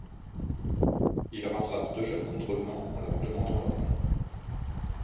Ils rattrapent deux jeunes contrevenants en leur demandant leur nom.